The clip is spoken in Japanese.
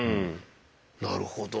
なるほど。